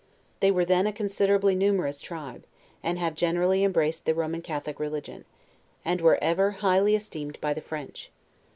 They Were then a considerably numerous tribe, and have generally em braced the Roman Catholic religion, and were ever highly esteemed by the French.